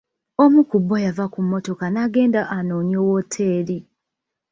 Omu ku bo yava ku mmotoka n'agenda anoonye wooteri.